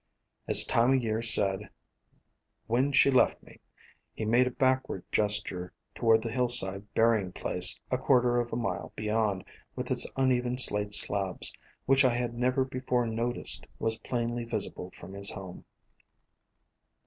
As Time o' Year said "when she left me," he A COMPOSITE FAMILY 255 made a backward gesture toward the hillside bury ing place a quarter of a mile beyond, with its uneven slate slabs, which I had never before noticed was plainly visible from his home.